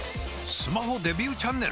スマホデビューチャンネル！？